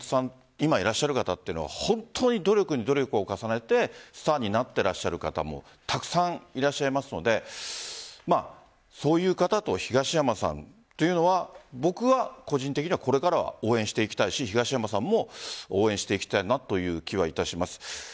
今いらっしゃる方本当に努力に努力を重ねてスターになっていらっしゃる方たくさんいらっしゃいますのでそういう方と東山さんというのは僕は個人的にはこれからは応援していきたいし東山さんも応援していきたいなという気はいたします。